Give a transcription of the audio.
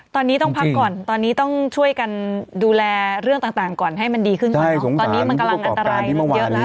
ตอนนี้ต้องพักก่อนตอนนี้ต้องช่วยกันดูแลเรื่องต่างก่อนให้มันดีขึ้นก่อนเนอะตอนนี้มันกำลังอันตรายลงเยอะแล้ว